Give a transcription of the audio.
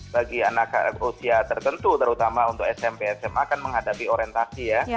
bagi anak usia tertentu terutama untuk smp sma kan menghadapi orientasi ya